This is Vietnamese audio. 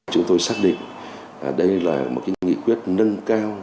chúng tôi xác định đây là một nghị quyết nâng cao